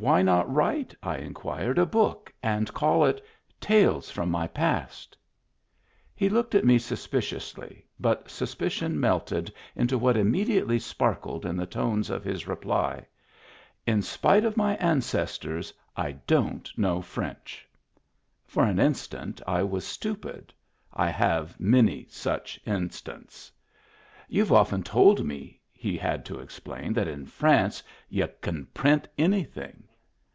" Why not write," I inquired, " a book, and call it Tales From My Past?" He looked at me suspiciously, but suspicion melted into what immediately sparkled in the tones of his reply. " In spite of my ancestors, I don't know French." For an instant I was stupid — I have many such instants. "You've often told me," he had to explain,, " that in France y'u can print anything."